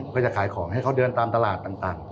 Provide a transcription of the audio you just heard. เพื่อจะขายของให้เขาเดินตามตลาดต่าง